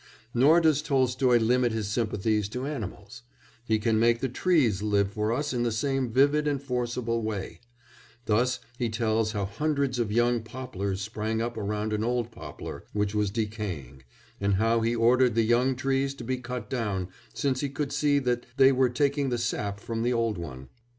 Nor does Tolstoy limit his sympathies to animals he can make the trees live for us in the same vivid and forcible way; thus he tells how hundreds of young poplars sprang up around an old poplar which was decaying, and how he ordered the young trees to be cut down since he could see that they were taking the sap from the old one.